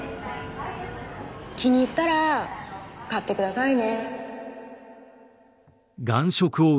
気に入ったら買ってくださいね。